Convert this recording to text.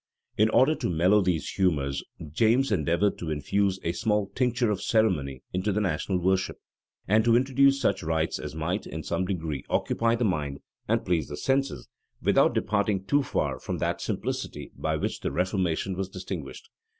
In order to mellow these humors, James endeavored to infuse a small tincture of ceremony into the national worship, and to introduce such rites as might, in some degree, occupy the mind, and please the senses, without departing too far from that simplicity by which the reformation was distinguished.